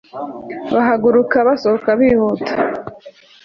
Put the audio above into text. bahaguruka basohoka bihuta